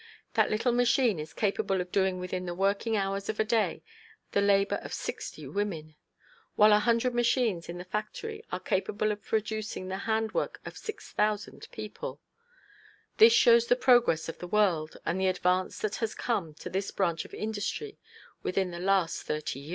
That little machine is capable of doing within the working hours of a day the labor of sixty women; while a hundred machines in a factory are capable of producing the handwork of six thousand people; this shows the progress of the world, and the advance that has come to this branch of industry within the last thirty years.